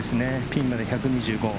ピンまで１２５。